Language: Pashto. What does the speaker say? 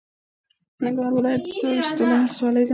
ننګرهار ولایت دوه ویشت ولسوالۍ لري.